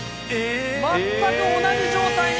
全く同じ状態に。